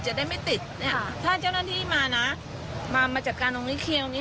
จะได้ไม่ติดเนี่ยถ้าเจ้าหน้าที่มานะมามาจัดการตรงนี้เคียวนี้